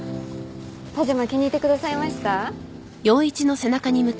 パジャマ気に入ってくださいました？